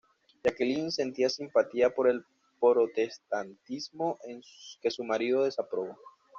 Jacqueline sentía simpatía por el protestantismo que su marido desaprobó.